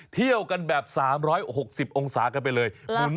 เที่ยวกันแบบ๓๖๐องศากันไปเลย